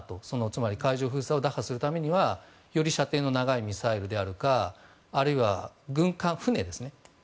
つまり、海上封鎖を打破するにはより射程の長いミサイルやあるいは軍艦、船ですね。